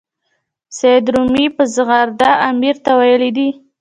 سید رومي په زغرده امیر ته ویلي دي.